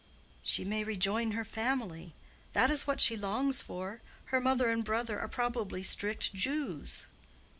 "She may rejoin her family. That is what she longs for. Her mother and brother are probably strict Jews."